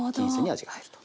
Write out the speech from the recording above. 味が入ると。